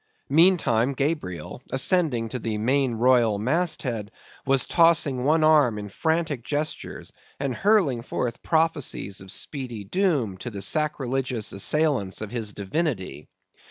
Meantime, Gabriel, ascending to the main royal mast head, was tossing one arm in frantic gestures, and hurling forth prophecies of speedy doom to the sacrilegious assailants of his divinity.